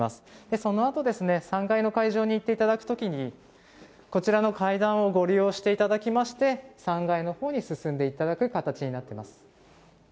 そのあと、３階の会場に行っていただくときに、こちらの階段をご利用していただきまして、３階のほうに進んでいただく形になってます。